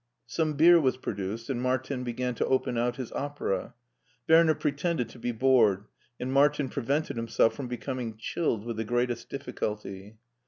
Some beer was produced, and Martin began to open out his opera. Werner pretended to be bored, and Martin prevented himself from becoming chilled with the greatest difficulty.